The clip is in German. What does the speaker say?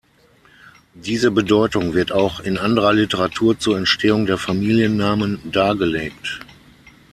Diese Bedeutung wird auch in anderer Literatur zur Entstehung der Familiennamen dargelegt.